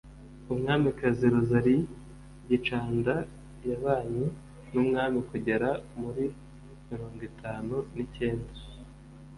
Umwamikazi Rosalie Gicanda yabanye n’umwami kugera muri mirongo itanu n’icyenda